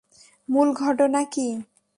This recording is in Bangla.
মূল ঘটনা কী?